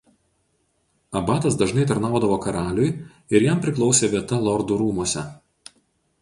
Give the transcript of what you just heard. Abatas dažnai tarnaudavo karaliui ir jam priklausė vieta Lordų rūmuose.